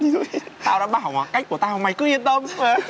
tao đã bảo mà cách của tao mày cứ yên tâm